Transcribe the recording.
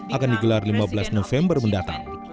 akan digelar lima belas november mendatang